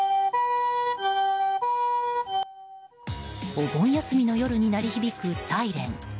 お盆休みの夜に鳴り響くサイレン。